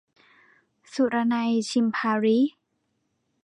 สุรนัย ฉิมพาลี